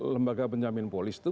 lembaga penjamin polis itu